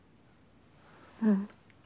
うん。